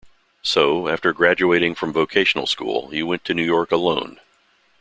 So, after graduating from Vocational School he went to New York alone.